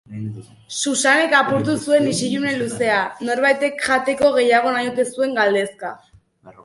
Susanek apurtu zuen isilune luzea, norbaitek jateko gehiago nahi ote zuen galdezka.